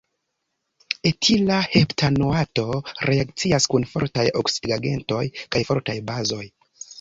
Etila heptanoato reakcias kun fortaj oksidigagentoj kaj fortaj bazoj.